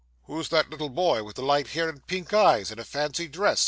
'Who's that little boy with the light hair and pink eyes, in a fancy dress?